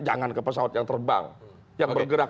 jangan ke pesawat yang terbang yang bergerak